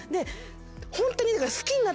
ホントに。